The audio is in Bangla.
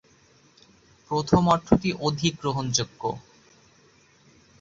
প্রথম অর্থটি অধিক গ্রহণযোগ্য।